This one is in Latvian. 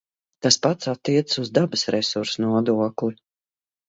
Tas pats attiecas uz dabas resursu nodokli.